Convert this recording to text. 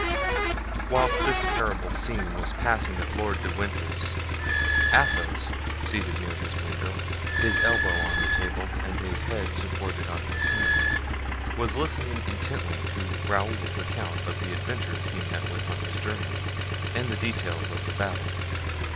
Whilst this terrible scene was passing at Lord de Winter's, Athos, seated near his window, his elbow on the table and his head supported on his hand, was listening intently to Raoul's account of the adventures he met with on his journey and the details of the battle.